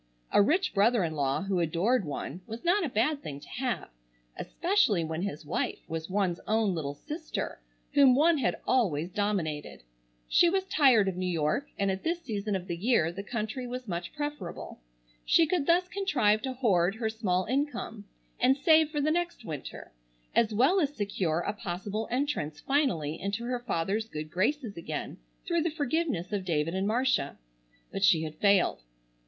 A rich brother in law who adored one was not a bad thing to have, especially when his wife was one's own little sister whom one had always dominated. She was tired of New York and at this season of the year the country was much preferable. She could thus contrive to hoard her small income, and save for the next winter, as well as secure a possible entrance finally into her father's good graces again through the forgiveness of David and Marcia. But she had failed.